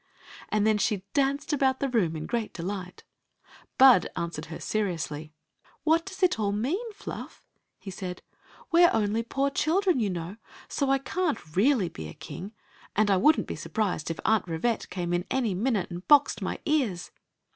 And then she danced about the room in great delight Bud answered her seriously. " What does it all mean, Fluff? " he said. " We re only poor children, you know ; so I can't really be a king. And I would n't be surprised if Aunt Rivette came in any minute and boxed my ears."